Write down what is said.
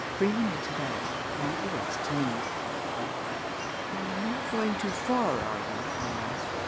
Bring him into that. Leave the rest to me." "You're not going too far, are you?" I asked.